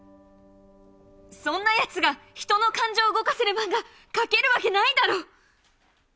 そんなやつが人の感情を動かせる漫画描けるわけないだろ。